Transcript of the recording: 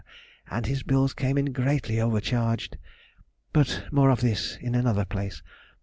and his bills came in greatly overcharged. But more of this in another place.